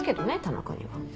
田中には。